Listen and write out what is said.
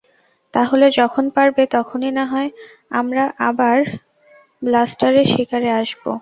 তাহলে যখন পারবে তখনই নাহয় আমরা আবারো ব্লাস্টারের শিকারে আসবো।